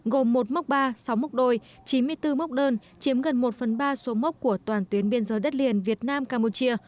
gồm một mốc ba sáu mốc đôi chín mươi bốn mốc đơn chiếm gần một phần ba số mốc của toàn tuyến biên giới đất liền việt nam campuchia